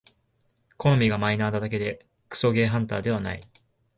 好みがマイナーなだけでクソゲーハンターではない